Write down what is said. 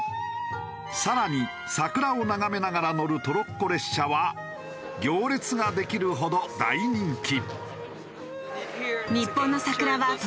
さらに桜を眺めながら乗るトロッコ列車は行列ができるほど大人気。